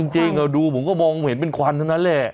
จริงดูผมก็มองเห็นเป็นควันเท่านั้นแหละ